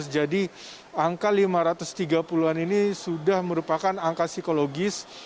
jadi angka lima ratus tiga puluh an ini sudah merupakan angka psikologis